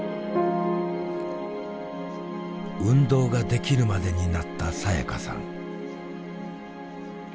運動ができるまでになったさやかさん。